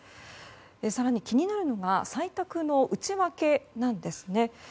更に気になるのが採択の内訳なんですね。